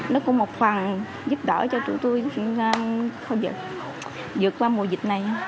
nó cũng một phần giúp đỡ cho chúng tôi vượt qua mùa dịch này